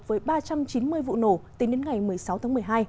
với ba trăm chín mươi vụ nổ tính đến ngày một mươi sáu tháng một mươi hai